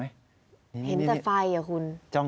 เห็นแต่ไฟอ่ะคุณ